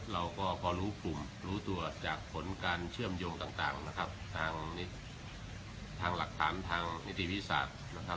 เราก็พอรู้กลุ่มรู้ตัวจากผลการเชื่อมโยงต่างนะครับทางหลักฐานทางนิติวิทยาศาสตร์นะครับ